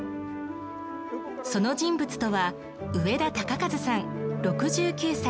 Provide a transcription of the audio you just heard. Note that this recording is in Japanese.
その人物とは上田隆和さん６９歳。